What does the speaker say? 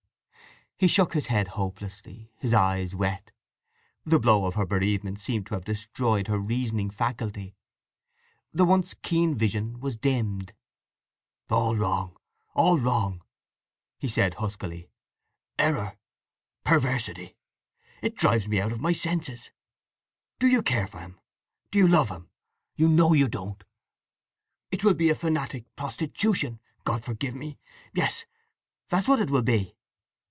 He shook his head hopelessly, his eyes wet. The blow of her bereavement seemed to have destroyed her reasoning faculty. The once keen vision was dimmed. "All wrong, all wrong!" he said huskily. "Error—perversity! It drives me out of my senses. Do you care for him? Do you love him? You know you don't! It will be a fanatic prostitution—God forgive me, yes—that's what it will be!"